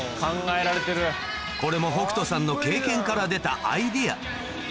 これも北斗さんの経験から出たアイデア